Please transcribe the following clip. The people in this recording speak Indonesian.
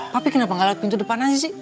papi kenapa nggak liat pintu depan aja sih